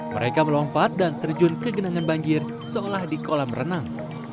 mereka melompat dan terjun ke genangan banjir seolah di kolam renang